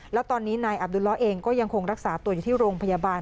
แล้วตอนนี้นายอับดุลล้อเองก็ยังคงรักษาตัวอยู่ที่โรงพยาบาล